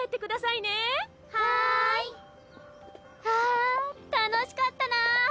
あ楽しかったなぁ。